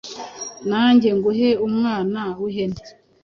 nange nguhe umwana w’ihene;